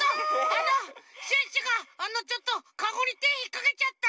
あのシュッシュがあのちょっとカゴにてひっかけちゃった。